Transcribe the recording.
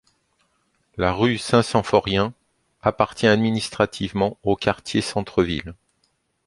La rue Saint-Symphorien appartient administrativement au quartier centre ville.